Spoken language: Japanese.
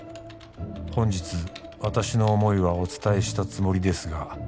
「本日私の思いはお伝えしたつもりですが」